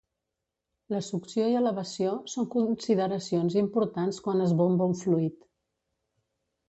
La succió i elevació són consideracions importants quan es bomba un fluid.